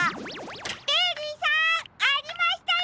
ベリーさんありましたよ！